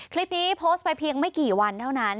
คลิปนี้โพสต์ไปเพียงไม่กี่วันเท่านั้น